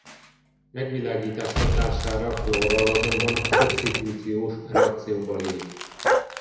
Megvilágítás hatására klórral azonban szubsztitúciós reakcióba lép.